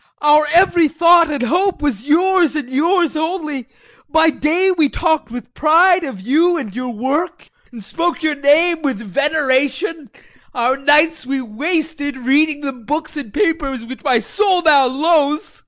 Our every thought and hope was yours and yours only. By day we talked with pride of you and your work, and spoke your name with veneration; our nights we wasted reading the books and papers which my soul now loathes.